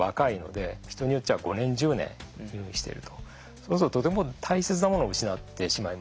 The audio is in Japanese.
そうするととても大切なものを失ってしまいます。